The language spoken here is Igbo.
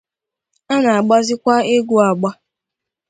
a na-agbakwazị egwu agba